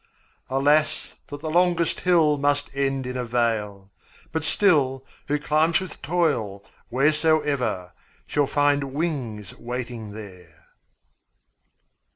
20 Alas, that the longest hill Must end in a vale; but still, Who climbs with toil, wheresoe'er, Shall find wings waiting there.